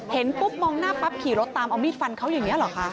เห็นปุ๊บมองหน้าปั๊บขี่รถตามเอามีดฟันเขาอย่างนี้เหรอคะ